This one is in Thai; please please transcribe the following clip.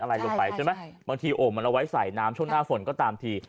อะไรลงไปใช่ไหมบางทีโอ่งมันเอาไว้ใส่น้ำช่วงหน้าฝนก็ตามที